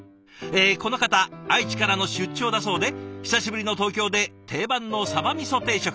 この方愛知からの出張だそうで久しぶりの東京で定番のサバ味定食。